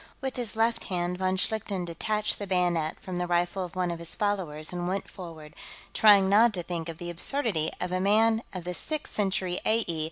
With his left hand, von Schlichten detached the bayonet from the rifle of one of his followers and went forward, trying not to think of the absurdity of a man of the Sixth Century A.E.